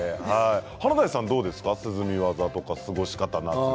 華大さんはどうですか涼み技とか過ごし方。